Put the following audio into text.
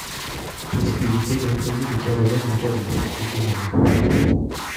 Possibilité d'employer le kérosène en cas de manque de diesel.